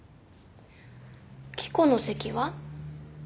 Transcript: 希子の席は？